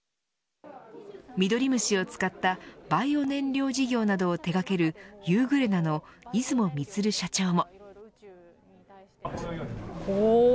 ミドリムシを使ったバイオ燃料事業などを手掛けるユーグレナの出雲充社長も。